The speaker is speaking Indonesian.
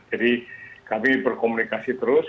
jadi kami berkomunikasi terus